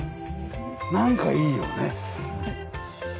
なんかいいよね。